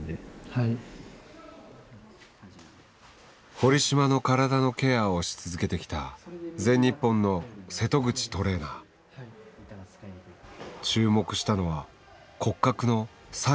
堀島の体のケアをし続けてきた全日本の注目したのは骨格の左右のバランス。